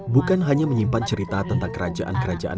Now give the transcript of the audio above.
bukan hanya menyimpan cerita tentang kerajaan kerajaan